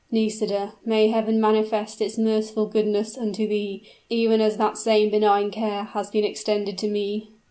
Nisida, may Heaven manifest its merciful goodness unto thee, even as that same benign care has been extended to me."